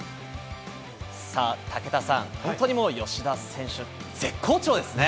武田さん、吉田選手、絶好調ですね。